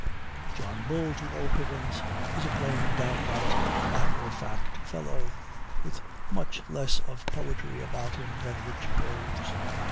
John Bull, to all appearance, is a plain downright matter of fact fellow, with much less of poetry about him than rich prose.